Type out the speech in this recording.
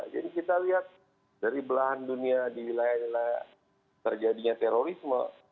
jadi kita lihat dari belahan dunia di wilayah wilayah terjadinya terorisme